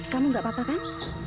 kamu gak apa apa kan